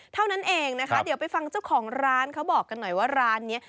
เท่านั้นเองนะคะเดี๋ยวไปฟังเจ้าของร้านเขาบอกกันหน่อยว่าร้านนี้